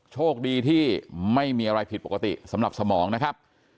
โชคดีที่ไม่มีอะไรผิดปกติสำหรับสมองนะครับ